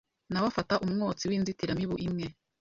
nawe fata umwotsi w’inzitiramibu imwe